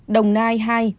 đồng nai hai